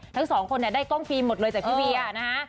ทั้งสองคนเนี่ยได้กล้องฟิล์มหมดเลยจากพี่เวียนะฮะ